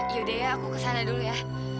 yaudah ya aku kesana dulu ya